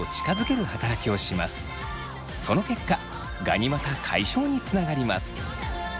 その結果ガニ股解消につながります。